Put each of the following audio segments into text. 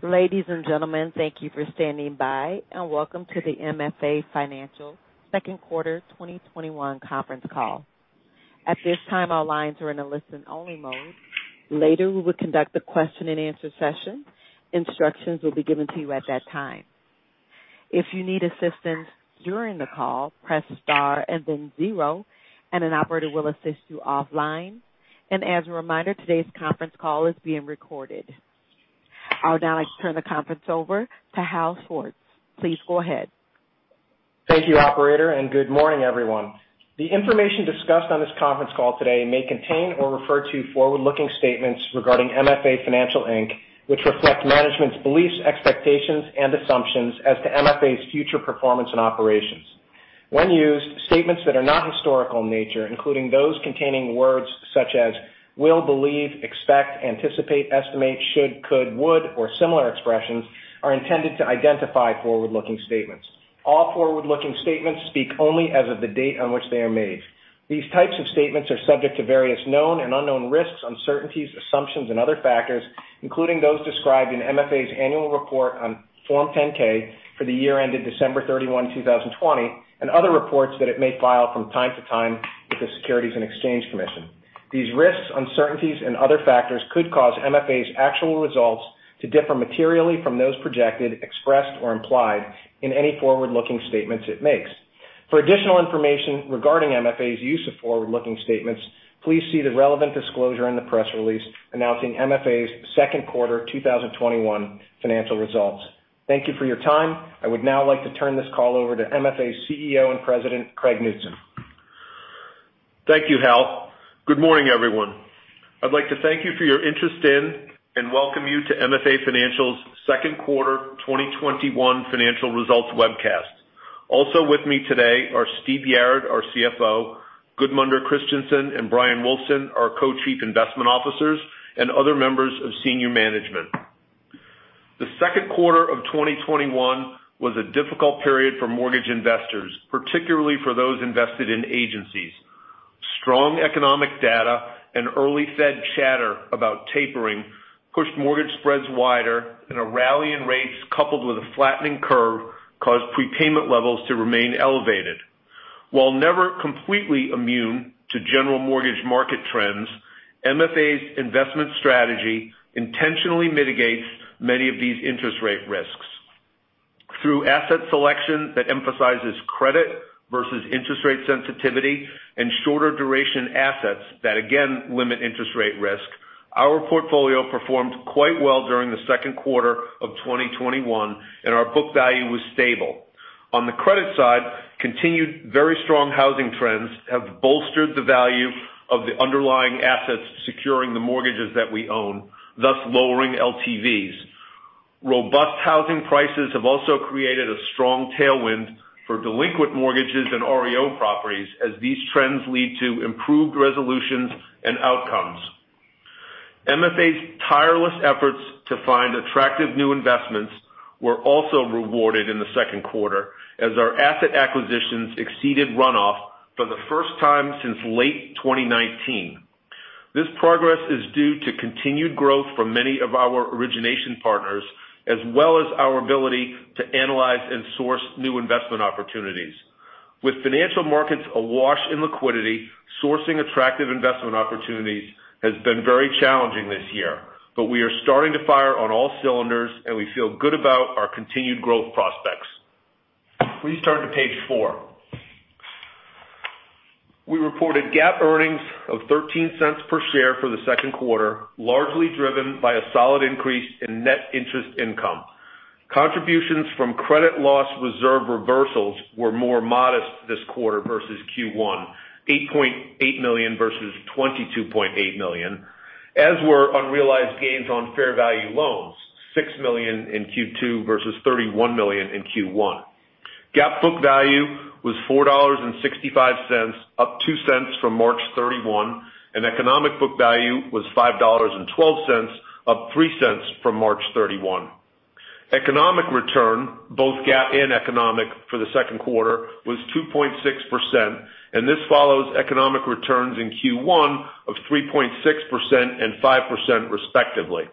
Ladies and gentlemen, thank you for standing by. Welcome to the MFA Financial second quarter 2021 conference call. At this time, all lines are in a listen-only mode. Later, we will conduct a question and answer session. Instructions will be given to you at that time. If you need assistance during the call, press star and then zero, and an operator will assist you offline. As a reminder, today's conference call is being recorded. I would now like to turn the conference over to Hal Schwartz. Please go ahead. Thank you, operator, and good morning, everyone. The information discussed on this conference call today may contain or refer to forward-looking statements regarding MFA Financial, Inc., which reflect management's beliefs, expectations, and assumptions as to MFA's future performance and operations. When used, statements that are not historical in nature, including those containing words such as will, believe, expect, anticipate, estimate, should, could, would, or similar expressions, are intended to identify forward-looking statements. All forward-looking statements speak only as of the date on which they are made. These types of statements are subject to various known and unknown risks, uncertainties, assumptions and other factors, including those described in MFA's annual report on Form 10-K for the year ended December 31, 2020, and other reports that it may file from time to time with the Securities and Exchange Commission. These risks, uncertainties, and other factors could cause MFA's actual results to differ materially from those projected, expressed, or implied in any forward-looking statements it makes. For additional information regarding MFA's use of forward-looking statements, please see the relevant disclosure in the press release announcing MFA's second quarter 2021 financial results. Thank you for your time. I would now like to turn this call over to MFA's CEO and President, Craig Knutson. Thank you, Hal. Good morning, everyone. I'd like to thank you for your interest in and welcome you to MFA Financial's second quarter 2021 financial results webcast. Also with me today are Steve Yarad, our CFO, Gudmundur Kristjansson and Bryan Wulfsohn, our Co-Chief Investment Officers, and other members of senior management. The second quarter of 2021 was a difficult period for mortgage investors, particularly for those invested in agencies. Strong economic data and early Fed chatter about tapering pushed mortgage spreads wider. A rally in rates coupled with a flattening curve caused prepayment levels to remain elevated. While never completely immune to general mortgage market trends, MFA's investment strategy intentionally mitigates many of these interest rate risks. Through asset selection that emphasizes credit versus interest rate sensitivity and shorter duration assets that again limit interest rate risk, our portfolio performed quite well during the second quarter of 2021, and our book value was stable. On the credit side, continued very strong housing trends have bolstered the value of the underlying assets securing the mortgages that we own, thus lowering LTVs. Robust housing prices have also created a strong tailwind for delinquent mortgages and REO properties as these trends lead to improved resolutions and outcomes. MFA's tireless efforts to find attractive new investments were also rewarded in the second quarter as our asset acquisitions exceeded runoff for the first time since late 2019. This progress is due to continued growth from many of our origination partners, as well as our ability to analyze and source new investment opportunities. With financial markets awash in liquidity, sourcing attractive investment opportunities has been very challenging this year, but we are starting to fire on all cylinders, and we feel good about our continued growth prospects. Please turn to page four. We reported GAAP earnings of $0.13 per share for the second quarter, largely driven by a solid increase in net interest income. Contributions from credit loss reserve reversals were more modest this quarter versus Q1, $8.8 million versus $22.8 million, as were unrealized gains on fair value loans, $6 million in Q2 versus $31 million in Q1. GAAP book value was $4.65, up $0.02 from March 31, and economic book value was $5.12, up $0.03 from March 31. Economic return, both GAAP and economic, for the second quarter was 2.6%, and this follows economic returns in Q1 of 3.6% and 5% respectively.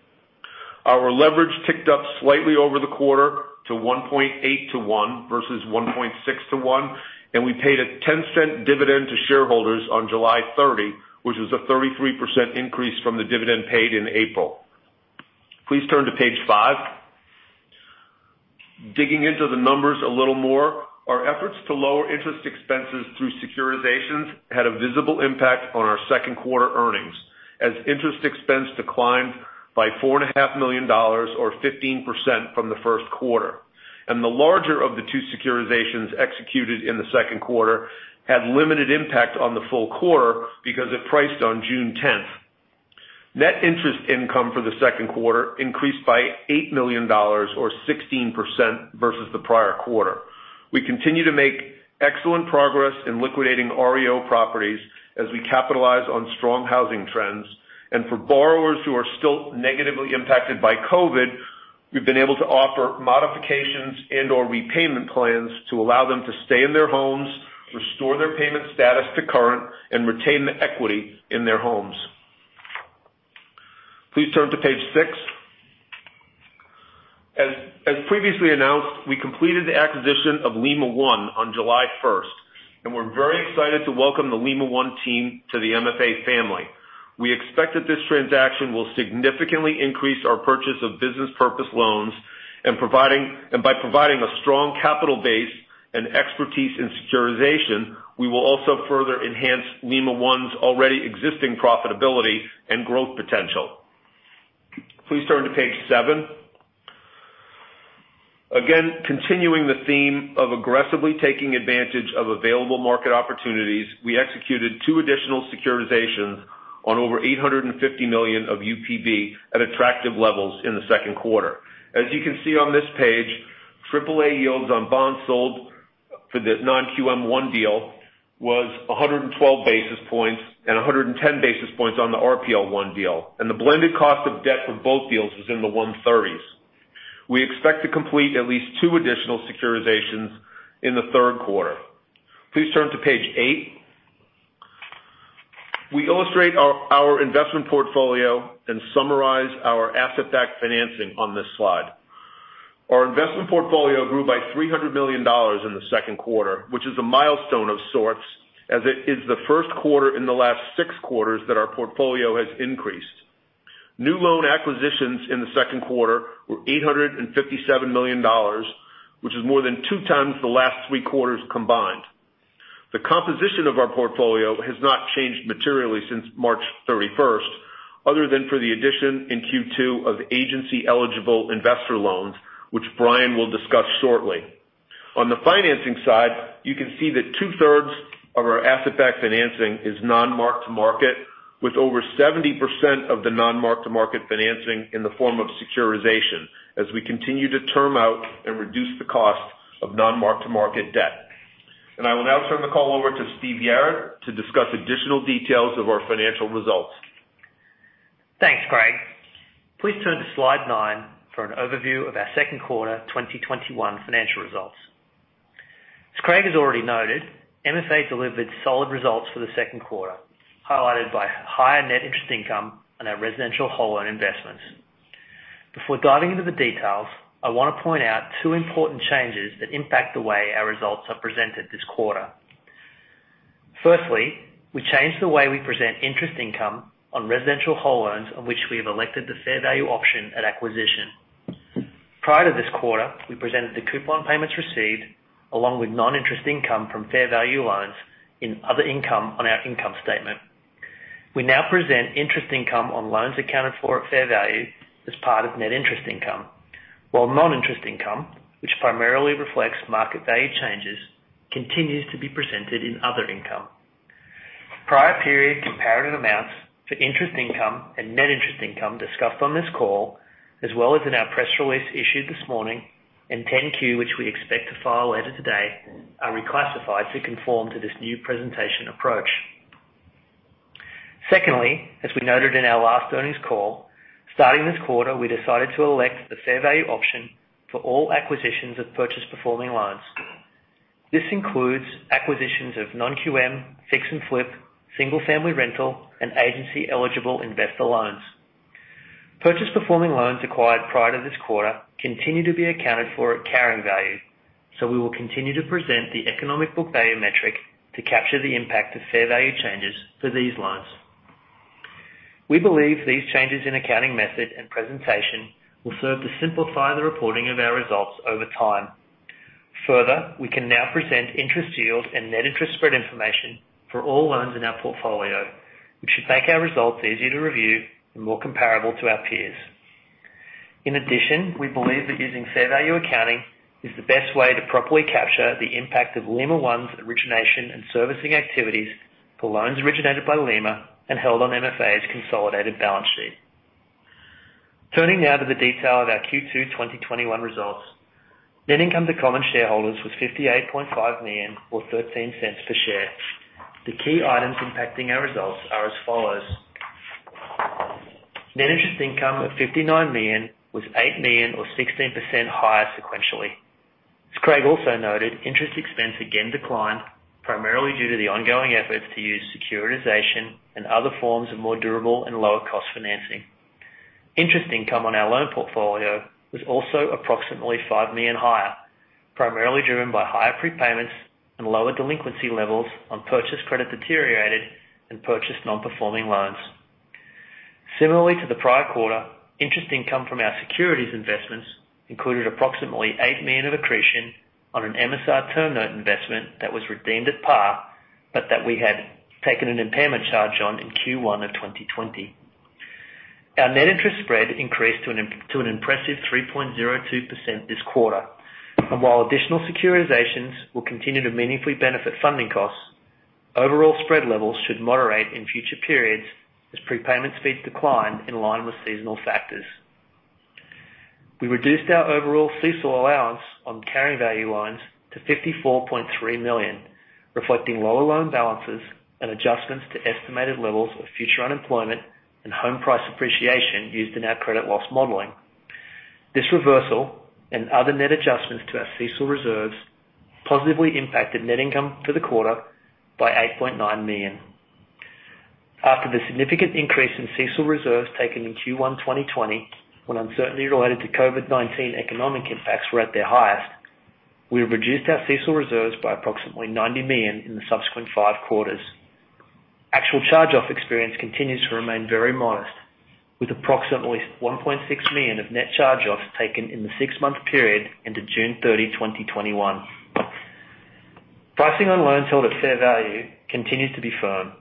Our leverage ticked up slightly over the quarter to 1.8:1 versus 1.6:1, and we paid a $0.10 dividend to shareholders on July 30, which was a 33% increase from the dividend paid in April. Please turn to page five. Digging into the numbers a little more, our efforts to lower interest expenses through securitizations had a visible impact on our second quarter earnings as interest expense declined by $4,500,000 or 15% from the first quarter. The larger of the two securitizations executed in the second quarter had limited impact on the full quarter because it priced on June 10th. Net interest income for the second quarter increased by $8 million or 16% versus the prior quarter. We continue to make excellent progress in liquidating REO properties as we capitalize on strong housing trends. For borrowers who are still negatively impacted by COVID, we've been able to offer modifications and/or repayment plans to allow them to stay in their homes, restore their payment status to current, and retain the equity in their homes. Please turn to page six. As previously announced, we completed the acquisition of Lima One on July 1st, and we're very excited to welcome the Lima One team to the MFA family. We expect that this transaction will significantly increase our purchase of Business Purpose Loans. By providing a strong capital base and expertise in securitization, we will also further enhance Lima One's already existing profitability and growth potential. Please turn to page seven. Again, continuing the theme of aggressively taking advantage of available market opportunities, we executed two additional securitizations on over $850 million of UPB at attractive levels in the second quarter. As you can see on this page, triple A yields on bonds sold for the non-QM 1 deal was 112 basis points and 110 basis points on the RPL one deal, and the blended cost of debt for both deals was in the 130s. We expect to complete at least two additional securitizations in the third quarter. Please turn to page eight. We illustrate our investment portfolio and summarize our asset-backed financing on this slide. Our investment portfolio grew by $300 million in the second quarter, which is a milestone of sorts, as it is the first quarter in the last six quarters that our portfolio has increased. New loan acquisitions in the second quarter were $857 million, which is more than two times the last week quarters combined. The composition of our portfolio has not changed materially since March 31st, other than for the addition in Q2 of agency eligible investor loans, which Brian will discuss shortly. On the financing side, you can see that two-thirds of our asset-backed financing is non-mark-to-market, with over 70% of the non-mark-to-market financing in the form of securitization, as we continue to term out and reduce the cost of non-mark-to-market debt. I will now turn the call over to Steve Yarad to discuss additional details of our financial results. Thanks, Craig. Please turn to slide nine for an overview of our second quarter 2021 financial results. As Craig has already noted, MFA delivered solid results for the second quarter, highlighted by higher net interest income on our residential whole loan investments. Before diving into the details, I want to point out two important changes that impact the way our results are presented this quarter. Firstly, we changed the way we present interest income on residential whole loans on which we have elected the fair value option at acquisition. Prior to this quarter, we presented the coupon payments received along with non-interest income from fair value loans in other income on our income statement. We now present interest income on loans accounted for at fair value as part of net interest income, while non-interest income, which primarily reflects market value changes, continues to be presented in other income. Prior period comparative amounts for interest income and net interest income discussed on this call, as well as in our press release issued this morning in 10-Q, which we expect to file later today, are reclassified to conform to this new presentation approach. Secondly, as we noted in our last earnings call, starting this quarter, we decided to elect the fair value option for all acquisitions of purchase performing loans. This includes acquisitions of non-QM, fix and flip, single family rental, and agency eligible investor loans. Purchase performing loans acquired prior to this quarter continue to be accounted for at carrying value, so we will continue to present the economic book value metric to capture the impact of fair value changes for these loans. We believe these changes in accounting method and presentation will serve to simplify the reporting of our results over time. Further, we can now present interest yield and net interest spread information for all loans in our portfolio, which should make our results easier to review and more comparable to our peers. In addition, we believe that using fair value accounting is the best way to properly capture the impact of Lima One's origination and servicing activities for loans originated by Lima and held on MFA's consolidated balance sheet. Turning now to the detail of our Q2 2021 results. Net income to common shareholders was $58.5 million or $0.13 per share. The key items impacting our results are as follows. Net interest income of $59 million was $8 million or 16% higher sequentially. As Craig also noted, interest expense again declined primarily due to the ongoing efforts to use securitization and other forms of more durable and lower cost financing. Interest income on our loan portfolio was also approximately $5 million higher, primarily driven by higher prepayments and lower delinquency levels on purchased credit deteriorated and purchased non-performing loans. Similarly to the prior quarter, interest income from our securities investments included approximately $8 million of accretion on an MSR term note investment that was redeemed at par, but that we had taken an impairment charge on in Q1 of 2020. Our net interest spread increased to an impressive 3.02% this quarter. While additional securitizations will continue to meaningfully benefit funding costs, overall spread levels should moderate in future periods as prepayment speeds decline in line with seasonal factors. We reduced our overall CECL allowance on carrying value loans to $54.3 million, reflecting lower loan balances and adjustments to estimated levels of future unemployment and home price appreciation used in our credit loss modeling. This reversal and other net adjustments to our CECL reserves positively impacted net income for the quarter by $8.9 million. After the significant increase in CECL reserves taken in Q1 2020, when uncertainty related to COVID-19 economic impacts were at their highest, we have reduced our CECL reserves by approximately $90 million in the subsequent five quarters. Actual charge-off experience continues to remain very modest, with approximately $1.6 million of net charge-offs taken in the six-month period into June 30, 2021. Pricing on loans held at fair value continues to be firm.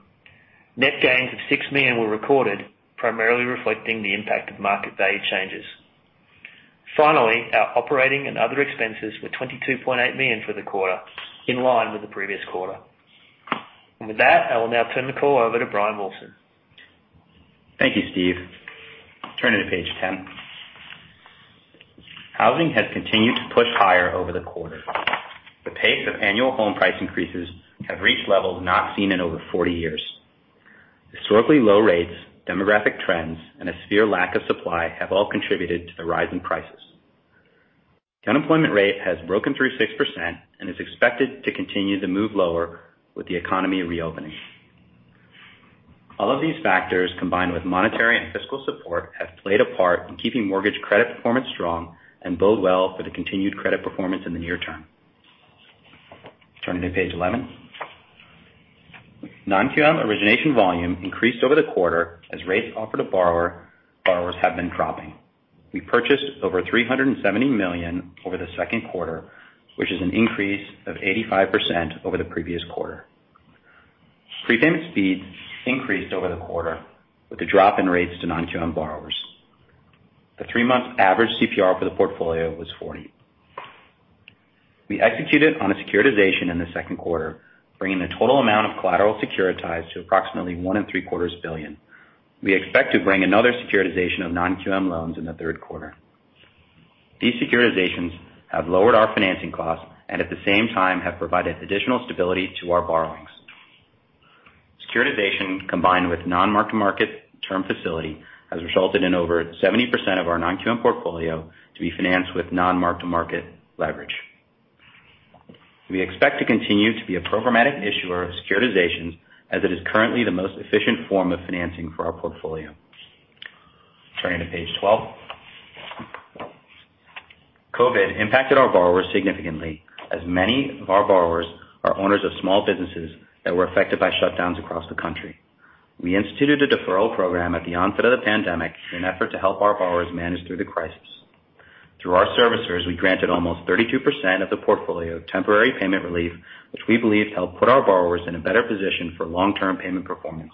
Net gains of $6 million were recorded, primarily reflecting the impact of market value changes. Finally, our operating and other expenses were $22.8 million for the quarter, in line with the previous quarter. With that, I will now turn the call over to Bryan Wulfsohn. Thank you, Steve. Turning to page 10. Housing has continued to push higher over the quarter. The pace of annual home price increases have reached levels not seen in over 40 years. Historically low rates, demographic trends, and a severe lack of supply have all contributed to the rise in prices. The unemployment rate has broken through 6% and is expected to continue to move lower with the economy reopening. All of these factors, combined with monetary and fiscal support, have played a part in keeping mortgage credit performance strong and bode well for the continued credit performance in the near term. Turning to page 11. Non-QM origination volume increased over the quarter as rates offered to borrowers have been dropping. We purchased over $370 million over the second quarter, which is an increase of 85% over the previous quarter. Prepayment speeds increased over the quarter with a drop in rates to non-QM borrowers. The three-month average CPR for the portfolio was 40. We executed on a securitization in the second quarter, bringing the total amount of collateral securitized to approximately $1.75 billion. We expect to bring another securitization of non-QM loans in the third quarter. These securitizations have lowered our financing costs and at the same time have provided additional stability to our borrowings. Securitization, combined with non-mark-to-market term facility, has resulted in over 70% of our non-QM portfolio to be financed with non-mark-to-market leverage. We expect to continue to be a programmatic issuer of securitizations as it is currently the most efficient form of financing for our portfolio. Turning to page 12. COVID impacted our borrowers significantly, as many of our borrowers are owners of small businesses that were affected by shutdowns across the country. We instituted a deferral program at the onset of the pandemic in an effort to help our borrowers manage through the crisis. Through our servicers, we granted almost 32% of the portfolio temporary payment relief, which we believe helped put our borrowers in a better position for long-term payment performance.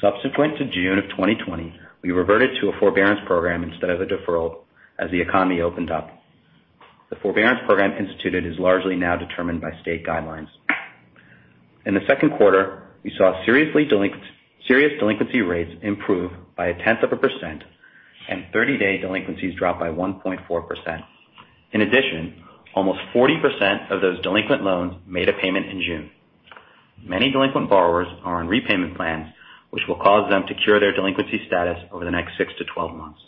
Subsequent to June 2020, we reverted to a forbearance program instead of a deferral as the economy opened up. The forbearance program instituted is largely now determined by state guidelines. In the second quarter, we saw serious delinquency rates improve by 0.1% and 30-day delinquencies drop by 1.4%. In addition, almost 40% of those delinquent loans made a payment in June. Many delinquent borrowers are on repayment plans, which will cause them to cure their delinquency status over the next 6-12 months.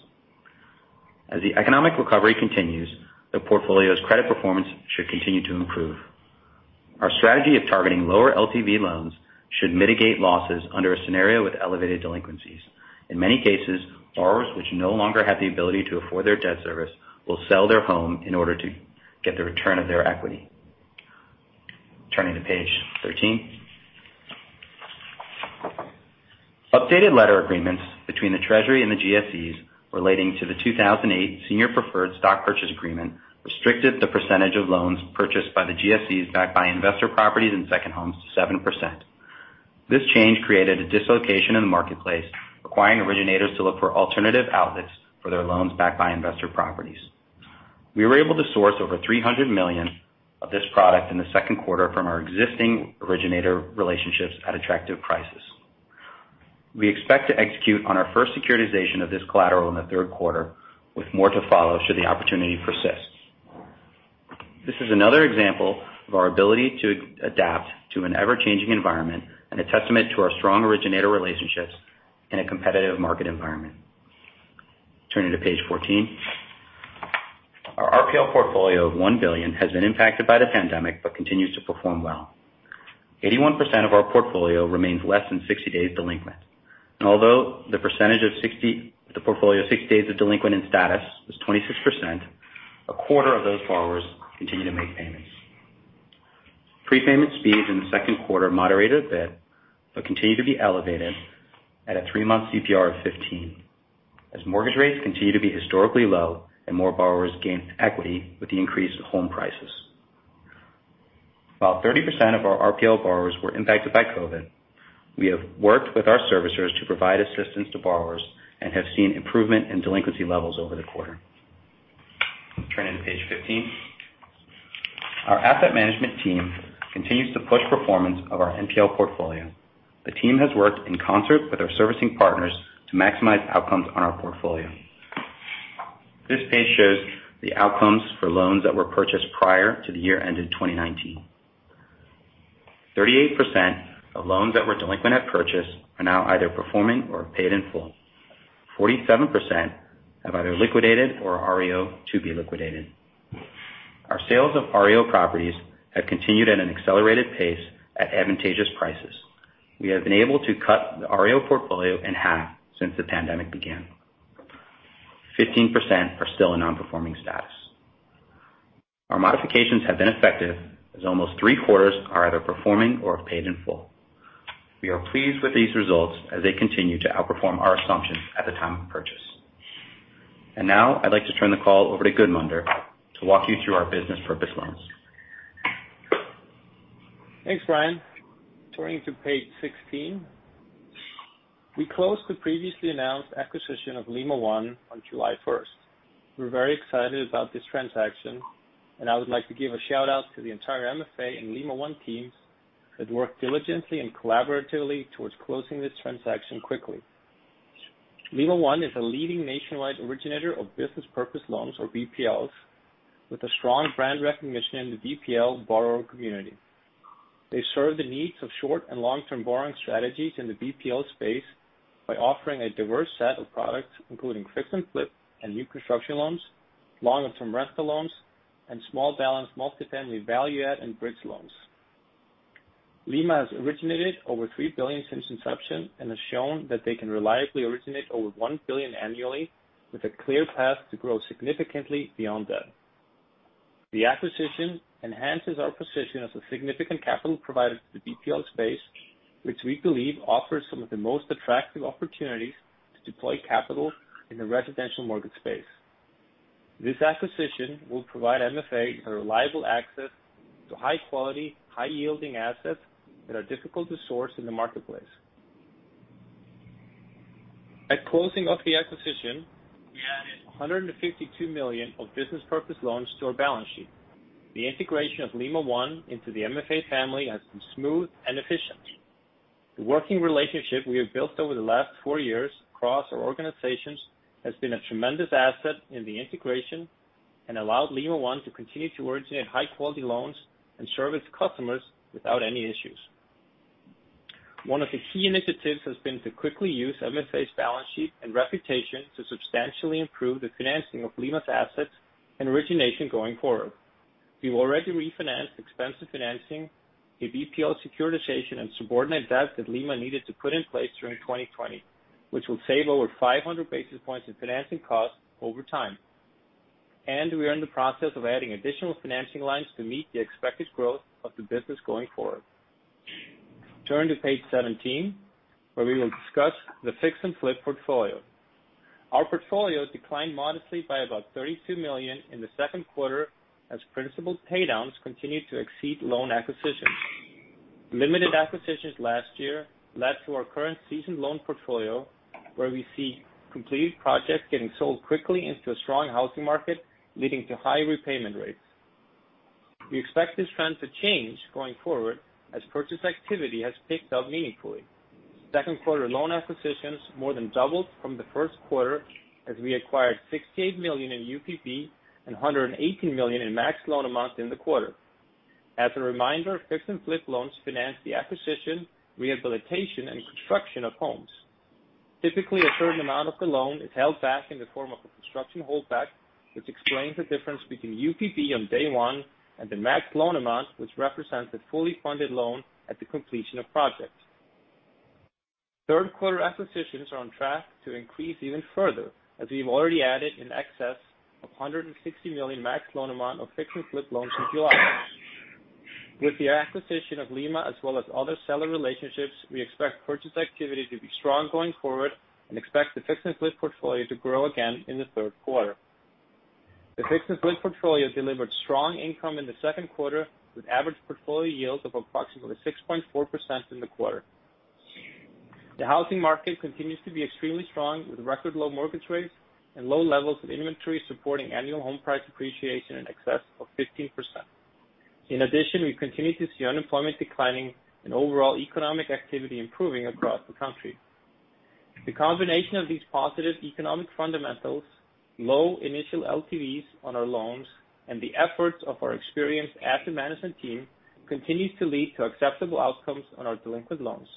As the economic recovery continues, the portfolio's credit performance should continue to improve. Our strategy of targeting lower LTV loans should mitigate losses under a scenario with elevated delinquencies. In many cases, borrowers which no longer have the ability to afford their debt service will sell their home in order to get the return of their equity. Turning to page 13. Updated letter agreements between the Treasury and the GSEs relating to the 2008 Senior Preferred Stock Purchase Agreement restricted the percentage of loans purchased by the GSEs backed by investor properties and second homes to 7%. This change created a dislocation in the marketplace, requiring originators to look for alternative outlets for their loans backed by investor properties. We were able to source over $300 million of this product in the second quarter from our existing originator relationships at attractive prices. We expect to execute on our first securitization of this collateral in the third quarter, with more to follow should the opportunity persist. This is another example of our ability to adapt to an ever-changing environment and a testament to our strong originator relationships in a competitive market environment. Turning to page 14. Our RPL portfolio of $1 billion has been impacted by the pandemic but continues to perform well. 81% of our portfolio remains less than 60 days delinquent. Although the percentage of the portfolio 60 days of delinquent in status was 26%, a quarter of those borrowers continue to make payments. Prepayment speeds in the second quarter moderated a bit, but continue to be elevated at a three-month CPR of 15 as mortgage rates continue to be historically low and more borrowers gain equity with the increase of home prices. While 30% of our RPL borrowers were impacted by COVID, we have worked with our servicers to provide assistance to borrowers and have seen improvement in delinquency levels over the quarter. Turning to page 15. Our asset management team continues to push performance of our NPL portfolio. The team has worked in concert with our servicing partners to maximize outcomes on our portfolio. This page shows the outcomes for loans that were purchased prior to the year ended 2019. 38% of loans that were delinquent at purchase are now either performing or paid in full. 47% have either liquidated or are REO to be liquidated. Our sales of REO properties have continued at an accelerated pace at advantageous prices. We have been able to cut the REO portfolio in half since the pandemic began. 15% are still in non-performing status. Our modifications have been effective, as almost three-quarters are either performing or paid in full. We are pleased with these results as they continue to outperform our assumptions at the time of purchase. Now I'd like to turn the call over to Gudmundur to walk you through our business purpose loans. Thanks, Bryan. Turning to page 16. We closed the previously announced acquisition of Lima One on July 1st. We're very excited about this transaction, and I would like to give a shout-out to the entire MFA and Lima One teams that worked diligently and collaboratively towards closing this transaction quickly. Lima One is a leading nationwide originator of business purpose loans, or BPLs, with a strong brand recognition in the BPL borrower community. They serve the needs of short and long-term borrowing strategies in the BPL space by offering a diverse set of products, including fix and flip and new construction loans, longer term rental loans, and small balance multifamily value add and bridge loans. Lima has originated over $3 billion since inception and has shown that they can reliably originate over $1 billion annually with a clear path to grow significantly beyond that. The acquisition enhances our position as a significant capital provider to the BPL space, which we believe offers some of the most attractive opportunities to deploy capital in the residential mortgage space. This acquisition will provide MFA a reliable access to high-quality, high-yielding assets that are difficult to source in the marketplace. At closing of the acquisition, we added $152 million of business purpose loans to our balance sheet. The integration of Lima One into the MFA family has been smooth and efficient. The working relationship we have built over the last four years across our organizations has been a tremendous asset in the integration and allowed Lima One to continue to originate high-quality loans and service customers without any issues. One of the key initiatives has been to quickly use MFA's balance sheet and reputation to substantially improve the financing of Lima's assets and origination going forward. We've already refinanced expensive financing through BPL securitization and subordinate debt that Lima needed to put in place during 2020, which will save over 500 basis points in financing costs over time. We are in the process of adding additional financing lines to meet the expected growth of the business going forward. Turn to page 17, where we will discuss the fix and flip portfolio. Our portfolio declined modestly by about $32 million in the second quarter as principal pay-downs continued to exceed loan acquisitions. Limited acquisitions last year led to our current seasoned loan portfolio, where we see completed projects getting sold quickly into a strong housing market, leading to high repayment rates. We expect this trend to change going forward as purchase activity has picked up meaningfully. Second quarter loan acquisitions more than doubled from the first quarter as we acquired $68 million in UPB and $118 million in max loan amount in the quarter. As a reminder, fix and flip loans finance the acquisition, rehabilitation, and construction of homes. Typically, a certain amount of the loan is held back in the form of a construction holdback, which explains the difference between UPB on day one and the max loan amount, which represents the fully funded loan at the completion of projects. Third quarter acquisitions are on track to increase even further as we've already added in excess of $160 million max loan amount of fix and flip loans in July. With the acquisition of Lima as well as other seller relationships, we expect purchase activity to be strong going forward and expect the fix and flip portfolio to grow again in the third quarter. The fix and flip portfolio delivered strong income in the second quarter with average portfolio yields of approximately 6.4% in the quarter. The housing market continues to be extremely strong, with record low mortgage rates and low levels of inventory supporting annual home price appreciation in excess of 15%. In addition, we continue to see unemployment declining and overall economic activity improving across the country. The combination of these positive economic fundamentals, low initial LTVs on our loans, and the efforts of our experienced asset management team continues to lead to acceptable outcomes on our delinquent loans.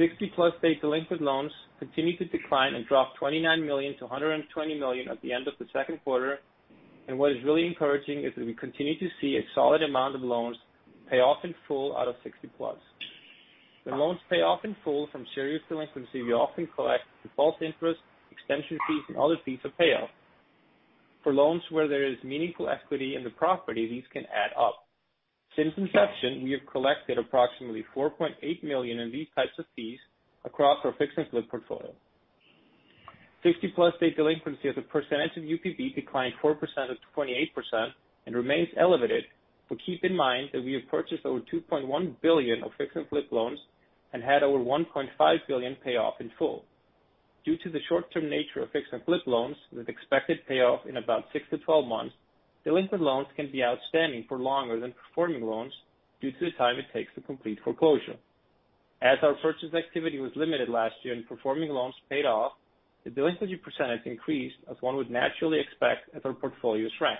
60+ day delinquent loans continue to decline and dropped $29 million-$120 million at the end of the second quarter. What is really encouraging is that we continue to see a solid amount of loans pay off in full out of 60+. When loans pay off in full from serious delinquency, we often collect default interest, extension fees, and other fees at payoff. For loans where there is meaningful equity in the property, these can add up. Since inception, we have collected approximately $4.8 million in these types of fees across our fix and flip portfolio. 60+ day delinquency as a percentage of UPB declined 4%-28% and remains elevated, but keep in mind that we have purchased over $2.1 billion of fix and flip loans and had over $1.5 billion pay off in full. Due to the short-term nature of fix and flip loans, with expected payoff in about 6-12 months, delinquent loans can be outstanding for longer than performing loans due to the time it takes to complete foreclosure. As our purchase activity was limited last year and performing loans paid off, the delinquency percentage increased as one would naturally expect as our portfolios rank.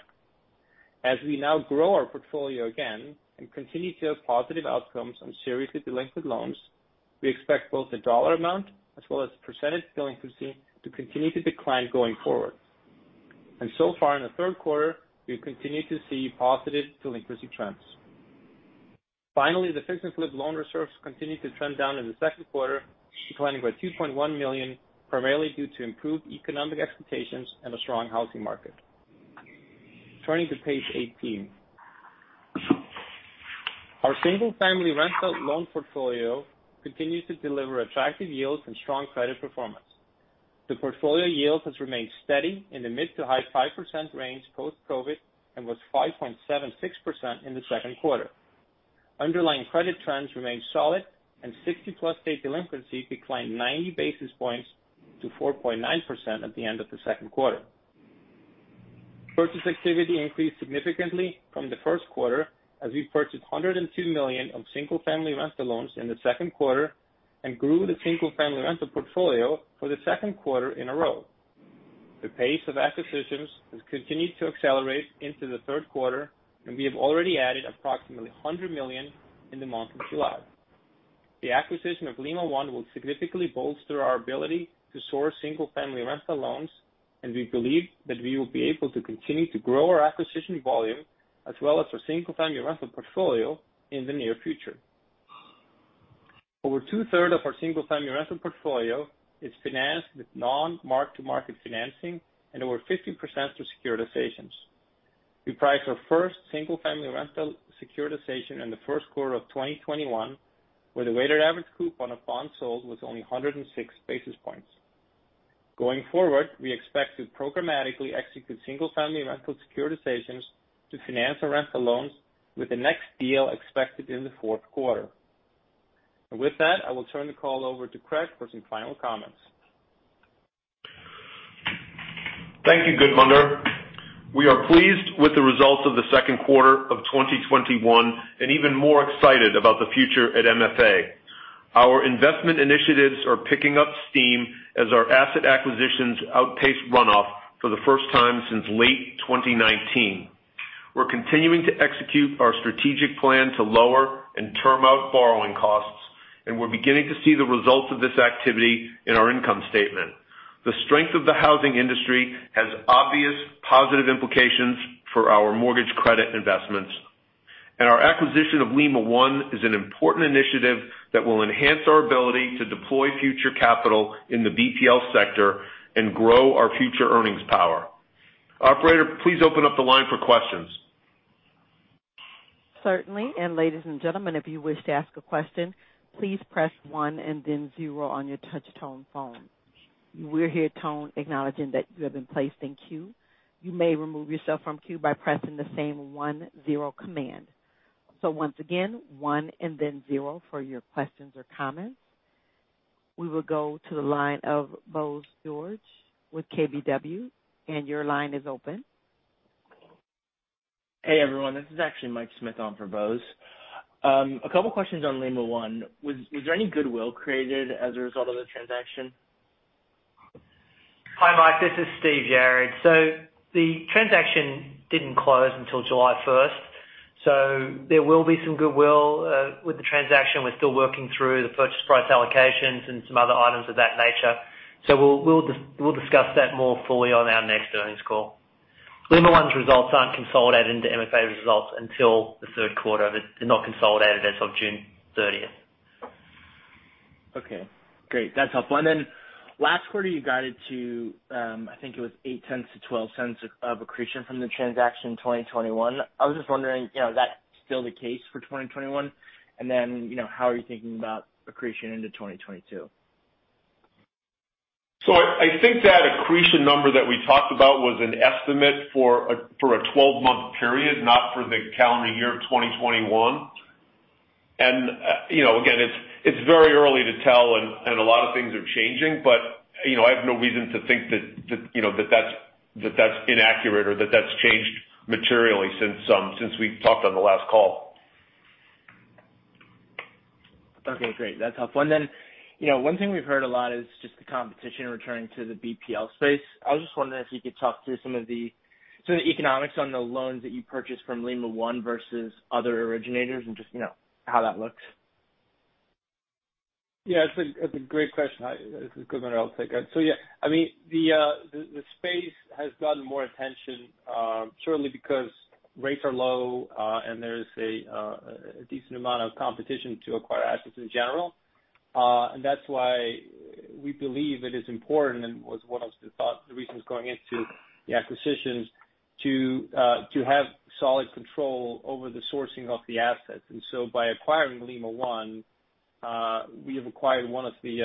As we now grow our portfolio again and continue to have positive outcomes on seriously delinquent loans, we expect both the dollar amount as well as percentage delinquency to continue to decline going forward. So far in the third quarter, we've continued to see positive delinquency trends. Finally, the fix and flip loan reserves continued to trend down in the second quarter, declining by $2.1 million, primarily due to improved economic expectations and a strong housing market. Turning to page 18. Our single-family rental loan portfolio continues to deliver attractive yields and strong credit performance. The portfolio yield has remained steady in the mid to high 5% range post-COVID and was 5.76% in the second quarter. Underlying credit trends remain solid and 60+ day delinquency declined 90 basis points to 4.9% at the end of the second quarter. Purchase activity increased significantly from the first quarter as we purchased $102 million of single-family rental loans in the second quarter and grew the single-family rental portfolio for the second quarter in a row. The pace of acquisitions has continued to accelerate into the third quarter, and we have already added approximately $100 million in the month of July. The acquisition of Lima One Capital will significantly bolster our ability to source single-family rental loans, and we believe that we will be able to continue to grow our acquisition volume as well as our single-family rental portfolio in the near future. Over two-thirds of our single-family rental portfolio is financed with non-mark-to-market financing and over 15% through securitizations. We priced our first single-family rental securitization in the first quarter of 2021, where the weighted average coupon of bonds sold was only 106 basis points. Going forward, we expect to programmatically execute single-family rental securitizations to finance our rental loans with the next deal expected in the fourth quarter. With that, I will turn the call over to Craig for some final comments. Thank you, Gudmundur. We are pleased with the results of the second quarter of 2021 and even more excited about the future at MFA. Our investment initiatives are picking up steam as our asset acquisitions outpace runoff for the first time since late 2019. We're continuing to execute our strategic plan to lower and term out borrowing costs, and we're beginning to see the results of this activity in our income statement. The strength of the housing industry has obvious positive implications for our mortgage credit investments. Our acquisition of Lima One is an important initiative that will enhance our ability to deploy future capital in the BPL sector and grow our future earnings power. Operator, please open up the line for questions. Certainly, ladies and gentlemen, if you wish to ask a question, please press one and then zero on your touch-tone phone. You will hear a tone acknowledging that you have been placed in queue. You may remove yourself from queue by pressing the same one zero command. Once again, one and then zero for your questions or comments. We will go to the line of Bose George with KBW, and your line is open. Hey, everyone. This is actually Mike Smith on for Bose. A couple of questions on Lima One. Was there any goodwill created as a result of the transaction? Hi, Mike. This is Steve Yarad. The transaction didn't close until July 1st, so there will be some goodwill with the transaction. We're still working through the purchase price allocations and some other items of that nature. We'll discuss that more fully on our next earnings call. Lima One's results aren't consolidated into MFA results until the third quarter. They're not consolidated as of June thirtieth. Okay, great. That's helpful. Last quarter you guided to, I think it was $0.08-$0.12 of accretion from the transaction in 2021. I was just wondering, is that still the case for 2021? How are you thinking about accretion into 2022? I think that accretion number that we talked about was an estimate for a 12-month period, not for the calendar year of 2021. Again, it's very early to tell and a lot of things are changing, but I have no reason to think that that's inaccurate or that that's changed materially since we talked on the last call. Okay, great. That's helpful. One thing we've heard a lot is just the competition returning to the BPL space. I was just wondering if you could talk through some of the economics on the loans that you purchased from Lima One versus other originators and just how that looks? Yeah, that's a great question. This is Gudmundur. I'll take it. Yeah, the space has gotten more attention, certainly because rates are low and there is a decent amount of competition to acquire assets in general. That's why we believe it is important and was one of the reasons going into the acquisitions to have solid control over the sourcing of the assets. By acquiring Lima One, we have acquired one of the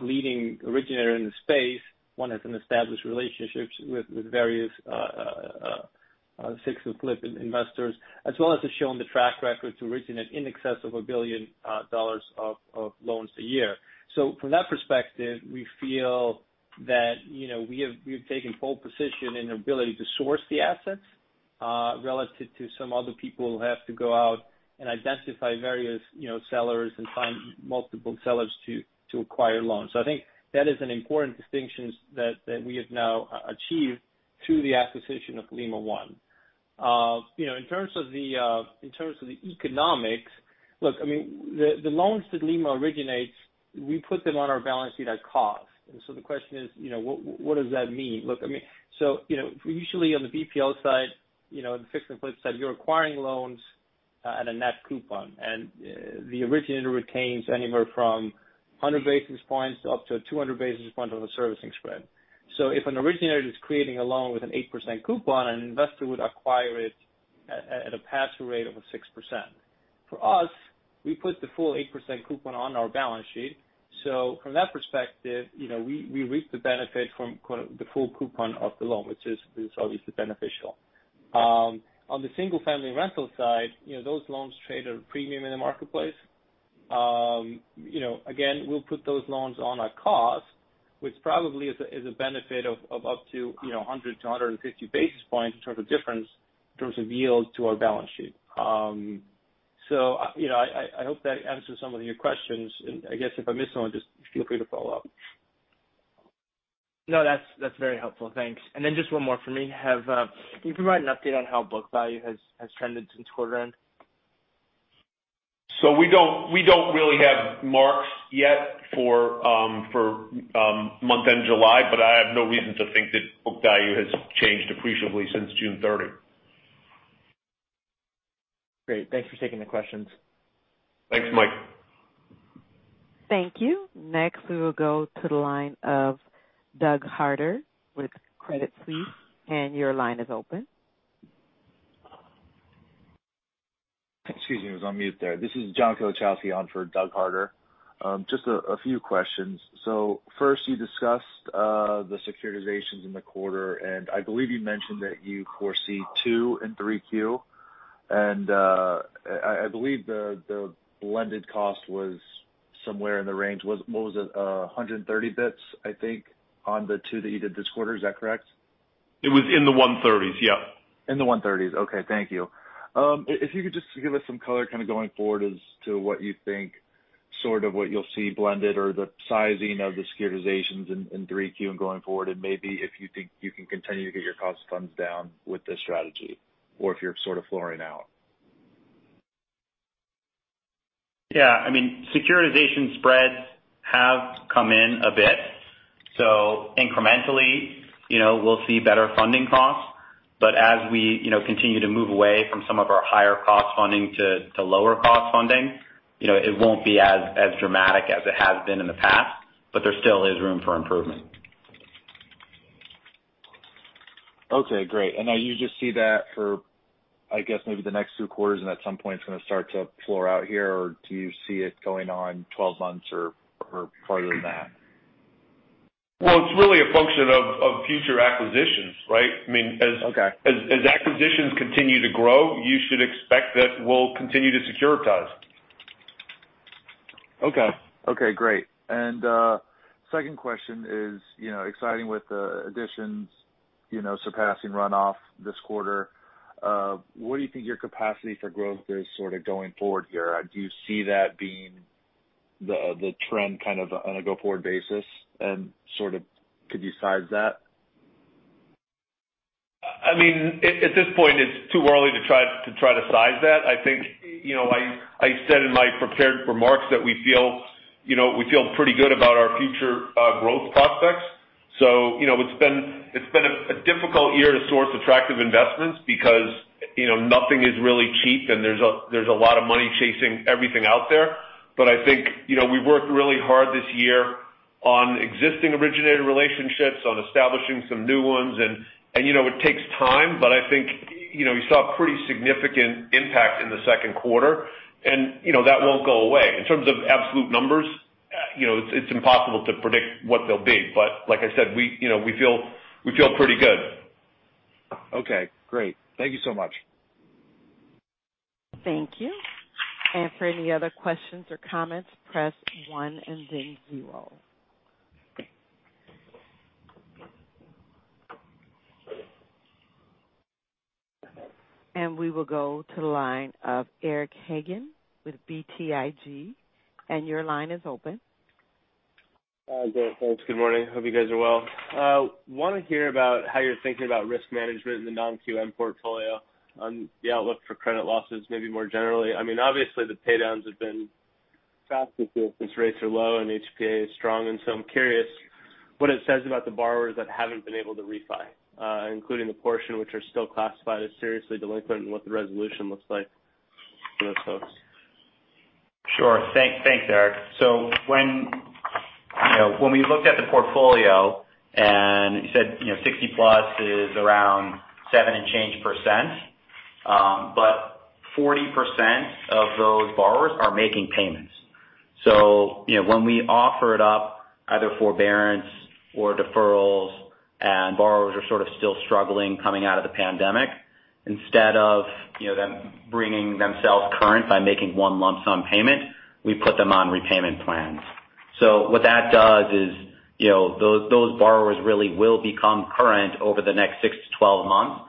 leading originator in the space. One has an established relationships with various fix and flip investors, as well as has shown the track record to originate in excess of $1 billion of loans a year. From that perspective, we feel that we have taken pole position in the ability to source the assets relative to some other people who have to go out and identify various sellers and find multiple sellers to acquire loans. I think that is an important distinction that we have now achieved through the acquisition of Lima One. In terms of the economics, look, the loans that Lima originates, we put them on our balance sheet at cost. The question is, what does that mean? Usually on the BPL side, the fix and flip side, you're acquiring loans at a net coupon, and the originator retains anywhere from 100 basis points up to 200 basis points on the servicing spread. If an originator is creating a loan with an 8% coupon, an investor would acquire it at a pass-through rate of a 6%. For us, we put the full 8% coupon on our balance sheet. From that perspective, we reap the benefit from the full coupon of the loan, which is obviously beneficial. On the single-family rental side, those loans trade at a premium in the marketplace. Again, we'll put those loans on at cost, which probably is a benefit of up to 100 basis points-150 basis points in terms of difference in terms of yield to our balance sheet. I hope that answers some of your questions. I guess if I missed one, just feel free to follow up. No, that's very helpful. Thanks. Just one more from me. Can you provide an update on how book value has trended since quarter end? We don't really have marks yet for month-end July, but I have no reason to think that book value has changed appreciably since June 30. Great. Thanks for taking the questions. Thanks, Mike. Thank you. Next, we will go to the line of Doug Harter with Credit Suisse. Your line is open. Excuse me, I was on mute there. This is John Kolachowski on for Doug Harter. Just a few questions. First, you discussed the securitizations in the quarter, and I believe you mentioned that you foresee two in 3Q, and I believe the blended cost was somewhere in the range. What was it? 130 basis points, I think, on the two that you did this quarter. Is that correct? It was in the 130s. Yeah. In the 130s. Okay. Thank you. If you could just give us some color kind of going forward as to what you think sort of what you'll see blended or the sizing of the securitizations in 3Q and going forward, and maybe if you think you can continue to get your cost of funds down with this strategy, or if you're sort of flooring out. Yeah. Securitization spreads have come in a bit. Incrementally, we'll see better funding costs. As we continue to move away from some of our higher cost funding to lower cost funding, it won't be as dramatic as it has been in the past, but there still is room for improvement. Okay, great. Now you just see that for, I guess, maybe the next few quarters and at some point it's going to start to floor out here, or do you see it going on 12 months or farther than that? Well, it's really a function of future acquisitions, right? Okay. As acquisitions continue to grow, you should expect that we'll continue to securitize. Okay. Great. Second question is, exciting with the additions surpassing runoff this quarter, what do you think your capacity for growth is sort of going forward here? Do you see that being the trend kind of on a go-forward basis, and sort of could you size that? At this point, it's too early to try to size that. I think I said in my prepared remarks that we feel pretty good about our future growth prospects. It's been a difficult year to source attractive investments because nothing is really cheap, and there's a lot of money chasing everything out there. I think we worked really hard this year on existing originator relationships, on establishing some new ones, and it takes time, but I think you saw a pretty significant impact in the second quarter, and that won't go away. In terms of absolute numbers, it's impossible to predict what they'll be. Like I said, we feel pretty good. Okay, great. Thank you so much. Thank you. And for any other questions or comments, press one and then zero. And we will go to the line of Eric Hagen with BTIG. Hi. Good. Thanks. Good morning. Hope you guys are well. Want to hear about how you're thinking about risk management in the non-QM portfolio and the outlook for credit losses, maybe more generally. Obviously, the paydowns have been faster too since rates are low and HPA is strong. I'm curious what it says about the borrowers that haven't been able to refi, including the portion which are still classified as seriously delinquent and what the resolution looks like for those folks. Sure. Thanks, Eric. When we looked at the portfolio and you said 60+ is around seven and change percent. 40% of those borrowers are making payments. When we offered up either forbearance or deferrals and borrowers are sort of still struggling coming out of the pandemic, instead of them. Themselves current by making one lump sum payment, we put them on repayment plans. What that does is, those borrowers really will become current over the next 6-12 months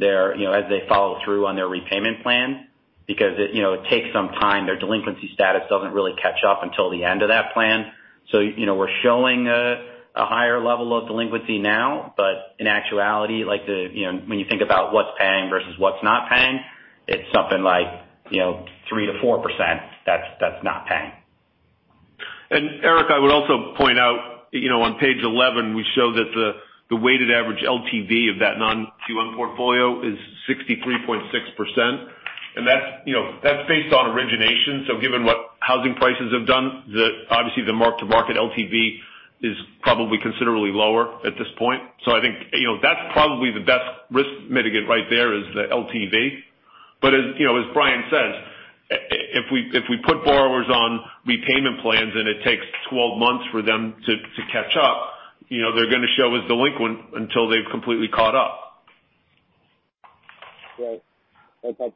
as they follow through on their repayment plan. It takes some time. Their delinquency status doesn't really catch up until the end of that plan. We're showing a higher level of delinquency now, but in actuality, when you think about what's paying versus what's not paying, it's something like 3%-4% that's not paying. Eric, I would also point out on page 11, we show that the weighted average LTV of that non-QM portfolio is 63.6%. Given what housing prices have done, obviously the mark-to-market LTV is probably considerably lower at this point. I think that's probably the best risk mitigate right there is the LTV. As Bryan says, if we put borrowers on repayment plans and it takes 12 months for them to catch up, they're going to show as delinquent until they've completely caught up. Great. Thanks, guys.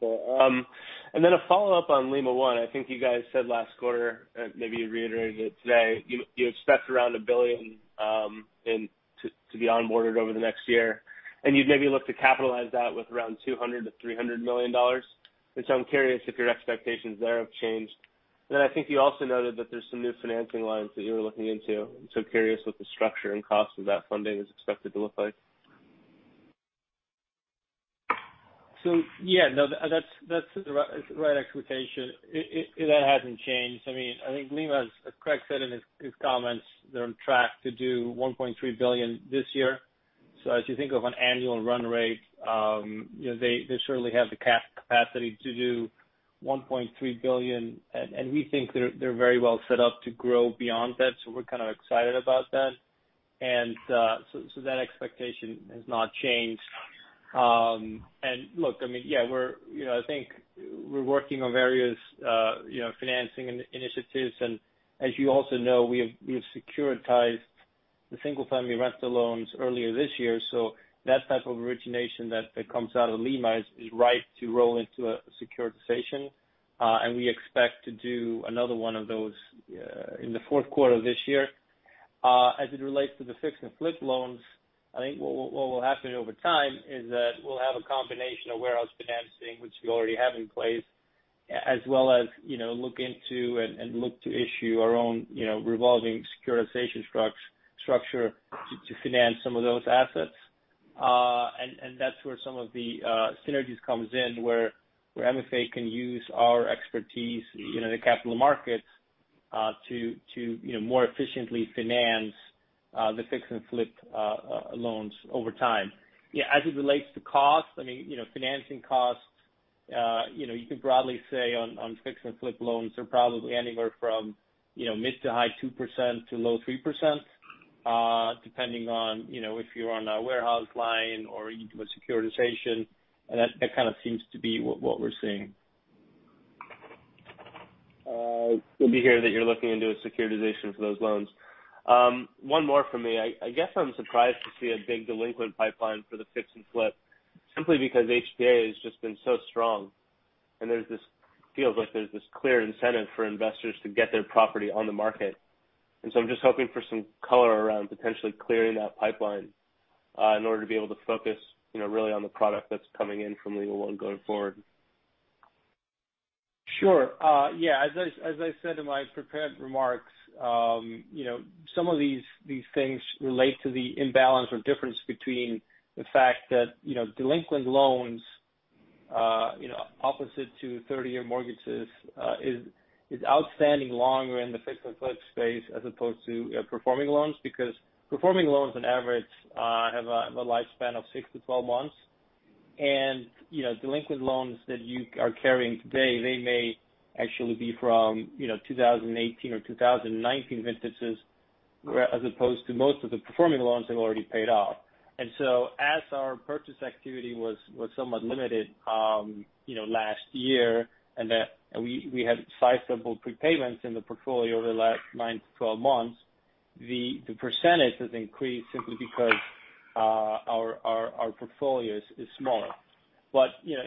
A follow-up on Lima One. I think you guys said last quarter, maybe you reiterated it today, you expect around $1 billion to be onboarded over the next year, and you'd maybe look to capitalize that with around $200 million-$300 million. I'm curious if your expectations there have changed. I think you also noted that there's some new financing lines that you were looking into. I'm so curious what the structure and cost of that funding is expected to look like. Yeah, no, that's the right expectation. That hasn't changed. I think Lima, as Craig said in his comments, they're on track to do $1.3 billion this year. As you think of an annual run rate, they certainly have the capacity to do $1.3 billion, and we think they're very well set up to grow beyond that, so we're kind of excited about that. That expectation has not changed. Look, I think we're working on various financing initiatives, and as you also know, we've securitized the single-family rental loans earlier this year. That type of origination that comes out of Lima is right to roll into a securitization. We expect to do another one of those in the fourth quarter of this year. As it relates to the fix and flip loans, I think what will happen over time is that we'll have a combination of warehouse financing, which we already have in place, as well as look into and look to issue our own revolving securitization structure to finance some of those assets. That's where some of the synergies comes in, where MFA can use our expertise in the capital markets to more efficiently finance the fix and flip loans over time. Yeah. As it relates to cost, financing costs you could broadly say on fix and flip loans are probably anywhere from mid to high 2% to low 3%, depending on if you're on a warehouse line or you do a securitization. That kind of seems to be what we're seeing. Good to hear that you're looking into a securitization for those loans. One more from me. I guess I'm surprised to see a big delinquent pipeline for the fix and flip simply because HPA has just been so strong and feels like there's this clear incentive for investors to get their property on the market. I'm just hoping for some color around potentially clearing that pipeline in order to be able to focus really on the product that's coming in from Lima One going forward. Sure. Yeah. As I said in my prepared remarks, some of these things relate to the imbalance or difference between the fact that delinquent loans opposite to 30-year mortgages is outstanding longer in the fix and flip space as opposed to performing loans. Performing loans on average have a lifespan of 6-12 months. Delinquent loans that you are carrying today, they may actually be from 2018 or 2019 vintages, as opposed to most of the performing loans have already paid off. As our purchase activity was somewhat limited last year, and we had sizable prepayments in the portfolio over the last 9-12 months, the percentage has increased simply because our portfolio is smaller.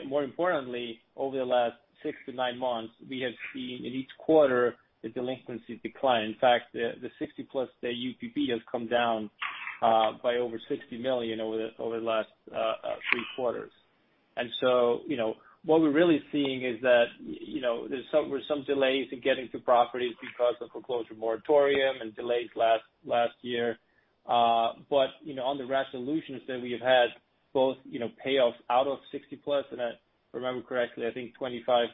More importantly, over the last 6-9 months, we have seen in each quarter the delinquencies decline. In fact, the 60+ day UPB has come down by over $60 million over the last three quarters. What we're really seeing is that there were some delays in getting to properties because of foreclosure moratorium and delays last year. On the resolutions that we have had both payoffs out of 60+, and if I remember correctly, I think $25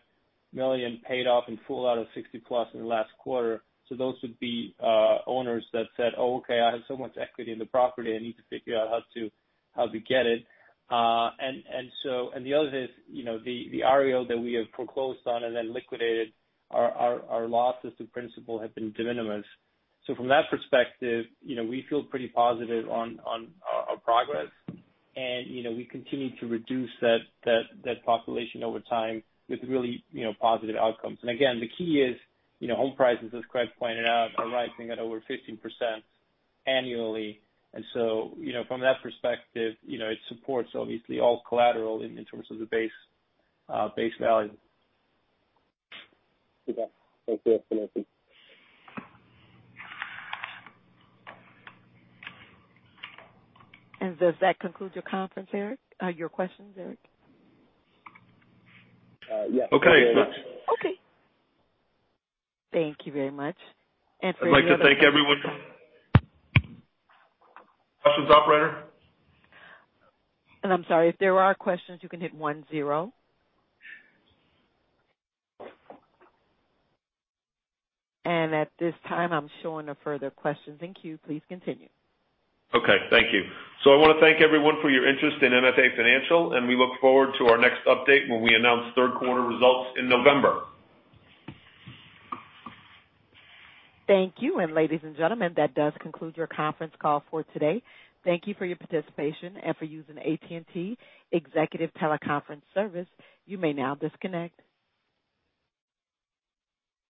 million paid off in full out of 60+ in the last quarter. Those would be owners that said, "Oh, okay, I have so much equity in the property, I need to figure out how to get it." The other is the REO that we have foreclosed on and then liquidated, our losses to principal have been de minimis. From that perspective, we feel pretty positive on our progress. We continue to reduce that population over time with really positive outcomes. Again, the key is home prices, as Craig pointed out, are rising at over 15% annually. From that perspective, it supports obviously all collateral in terms of the base value. You bet. Thank you. Thanks for the update. Does that conclude your conference, Eric? Your questions, Eric? Yeah. Okay. Okay. Thank you very much. I'd like to thank everyone. Questions, operator? I'm sorry. If there are questions, you can hit one zero. At this time, I'm showing no further questions in queue. Please continue. Okay. Thank you. I want to thank everyone for your interest in MFA Financial, and we look forward to our next update when we announce third quarter results in November. Thank you. Ladies and gentlemen, that does conclude your conference call for today. Thank you for your participation and for using AT&T Executive Teleconference Service. You may now disconnect.